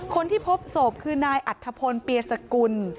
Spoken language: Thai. คนที่พบศพคือนายอัธพลเปียสกุล